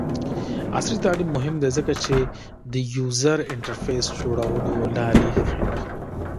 عصري تعلیم مهم دی ځکه چې د یوزر انټرفیس جوړولو لارې ښيي.